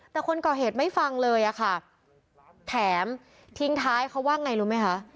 แต่คนก่อเหตุไม่ฟังเลยอะค่ะแถมทิ้งท้ายเขาว่าไงรู้ไหมคะ